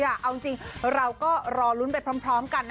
เอาจริงจริงเรารอรุ้นไปพร้อมกัน